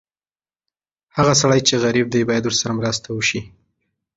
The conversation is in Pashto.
هغه سړی چې غریب دی، باید ورسره مرسته وشي.